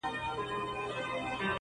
مُلا جانه راته وایه په کتاب کي څه راغلي-